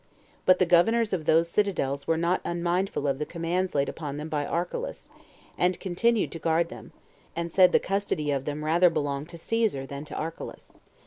But the governors of those citadels were not unmindful of the commands laid upon them by Archelaus, and continued to guard them, and said the custody of them rather belonged to Caesar than to Archelaus.